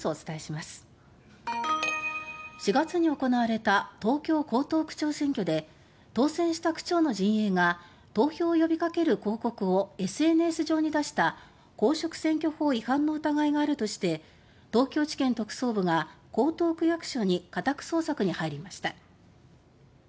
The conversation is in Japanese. ４月に行われた東京・江東区長選挙で当選した区長の陣営が投票を呼びかける広告をＳＮＳ上に出した公職選挙法違反の疑いがあるとして東京地検特捜部が江東区役所に家宅捜索に入りました。